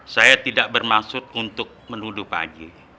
saya tidak bermaksud untuk menuduh pak haji